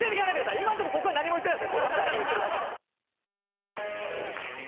今のとこ僕は何も言ってないです